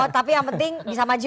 tapi yang penting bisa maju